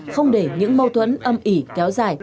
không để những mâu thuẫn âm ỉ kéo dài